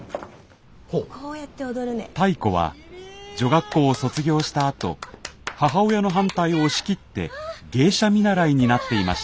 タイ子は女学校を卒業したあと母親の反対を押し切って芸者見習になっていました。